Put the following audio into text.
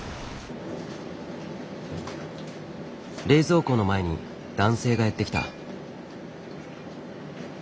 冷蔵庫の前に男性がやって来た。